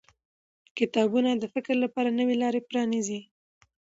کتابونه د فکر لپاره نوې لارې پرانیزي